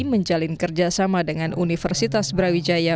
menjalin kerjasama dengan universitas brawijaya